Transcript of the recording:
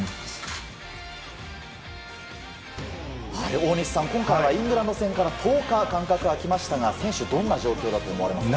大西さん、今回はイングランド戦から１０日間隔が空きましたが選手は、どんな状況だと思われますか？